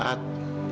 di saat yang genting